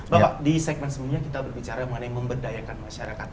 bapak di segmen sebelumnya kita berbicara mengenai memberdayakan masyarakat